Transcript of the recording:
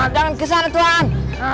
jangan kesana tuan